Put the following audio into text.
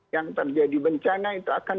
yang terjadi bencana itu akan